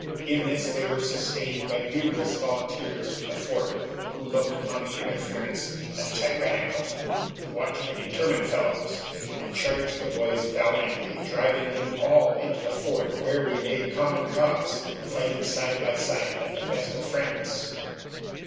In this they were sustained by numerous volunteers from the fort, who looked upon the interference as tyrannical. The watch were determined fellows, and charged the boys valiantly, driving them all into the fort, where we made common cause, fighting side by side like the best of friends.